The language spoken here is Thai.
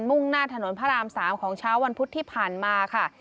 ่งหน้าถนนพระราม๓ของเช้าวันพุธที่ผ่านมาค่ะ